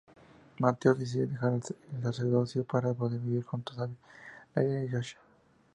Mateo decide dejar el sacerdocio para poder vivir junto a Dalila y Yasna.